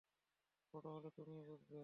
বড় হলে তুমিও বুঝবে।